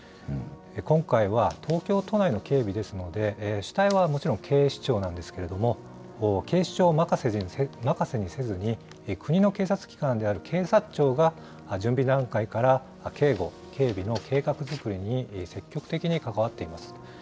今回は東京都内の警備ですので、主体はもちろん警視庁なんですけれども、警視庁任せにせずに、国の警察機関である警察庁が準備段階から警護、警備の計画作りに積極的に関わっています。